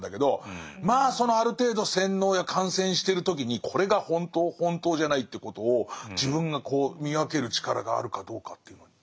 まあそのある程度洗脳や感染してる時にこれが本当本当じゃないっていうことを自分が見分ける力があるかどうかっていうのに。